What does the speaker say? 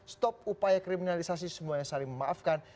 stop upaya kriminalisasi semua yang saling memaafkan